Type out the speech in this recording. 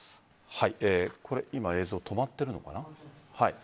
今、映像、止まっているのかな。